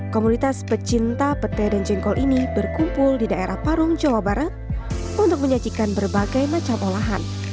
komunitas pecinta pete dan jengkol ini berkumpul di daerah parung jawa barat untuk menyajikan berbagai macam olahan